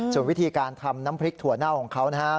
ส่วนวิธีการทำน้ำพริกถั่วเน่าของเขานะครับ